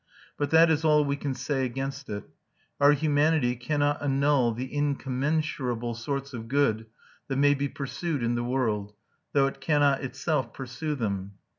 But that is all we can say against it. Our humanity cannot annul the incommensurable sorts of good that may be pursued in the world, though it cannot itself pursue them.